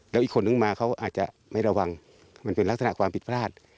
แล้วอีกคนนึงมาเขาอาจจะไม่ระวังมันเป็นลักษณะความผิดพลาด